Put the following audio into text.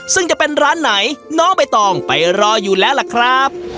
ซึ่งจะเป็นร้านไหนน้องใบตองไปรออยู่แล้วล่ะครับ